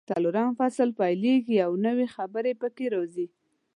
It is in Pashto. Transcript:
څلورلسم فصل پیلېږي او نوي خبرې پکې راځي.